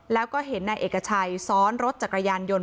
แล้วก็เห็นนายเอกชัยซ้อนรถจักรยานยนต์